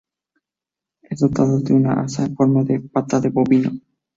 Está dotado de un asa en forma de pata de bovino.